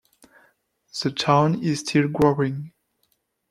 The town is still growing.